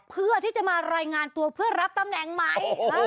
เพื่อที่จะมารายงานตัวเพื่อรับตำแหน่งใหม่